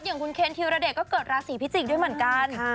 อย่างคุณเคนธีรเดชก็เกิดราศีพิจิกษ์ด้วยเหมือนกัน